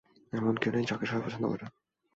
এমন কেউ নেই, যাকে সবাই পছন্দ করে।